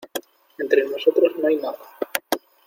entre nosotros no hay nada.